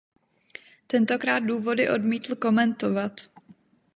Tentokrát důvody odmítl komentovat.